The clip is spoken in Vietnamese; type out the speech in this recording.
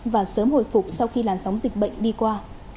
và sớm hồi phục sau khi làn sóng dịch bệnh đi qua